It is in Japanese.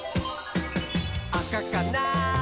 「あかかな？